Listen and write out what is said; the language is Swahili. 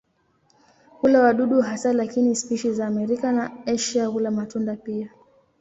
Hula wadudu hasa lakini spishi za Amerika na Asia hula matunda pia.